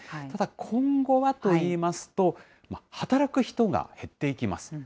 ただ、今後はといいますと、働く人が減っていきます。